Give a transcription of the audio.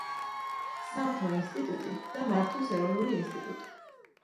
სამთო ინსტიტუტი და მართვის ეროვნული ინსტიტუტი.